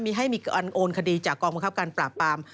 มีให้มีการโอนคดีจากกองบังคับการปราบปราม